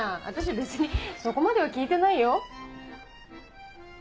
私別にそこまでは聞いてないよ。